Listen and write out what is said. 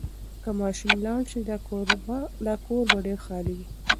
که ماشوم لاړ شي، دا کور به ډېر خالي وي.